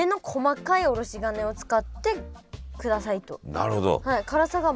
なるほど。